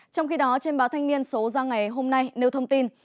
trong khi đó trên báo thanh niên số ra ngày hôm nay nêu thông tin